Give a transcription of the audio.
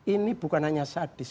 ini bukan hanya sadis